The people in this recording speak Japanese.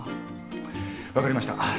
分かりました。